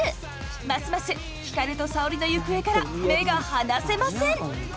ますます光と沙織の行方から目が離せません！